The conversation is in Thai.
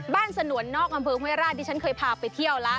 สนวนนอกอำเภอห้วยราชดิฉันเคยพาไปเที่ยวแล้ว